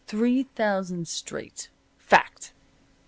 Three thousand straight. Fact."